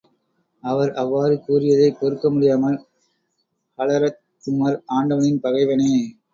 அவர் அவ்வாறு கூறியதைப் பொறுக்க முடியாமல் ஹலரத் உமர், ஆண்டவனின் பகைவனே!